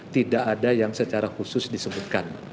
tidak ada yang secara khusus disebutkan